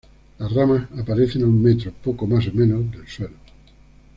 Las ramas aparecen a un metro, poco más o menos, del suelo.